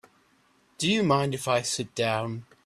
Do you mind if I sit down?